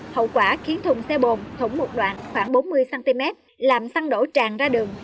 hậu quả khiến thùng xe bồn thủng một đoạn khoảng bốn mươi cm làm xăng đổ chàn ra đường